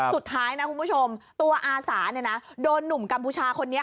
สุดท้ายนะคุณผู้ชมตัวอาสาโดนหนุ่มกัมพูชาคนนี้